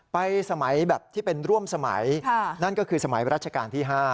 สมัยแบบที่เป็นร่วมสมัยนั่นก็คือสมัยรัชกาลที่๕